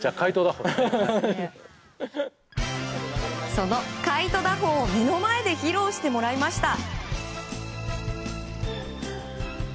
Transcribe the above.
そのカイト打法を目の前で披露してもらいました。